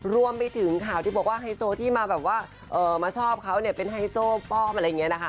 รวมไปถึงข่าวที่บอกว่าไฮโซที่มาแบบว่ามาชอบเขาเนี่ยเป็นไฮโซฟ้อมอะไรอย่างนี้นะคะ